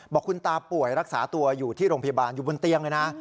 บอกคุณตาป่วยรักษาตัวอยู่ที่โรงพยาบาลอยู่บนเตียงเลยนะ